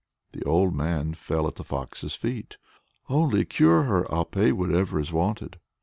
The old man fell at the fox's feet. "Only cure her! I'll pay whatever is wanted."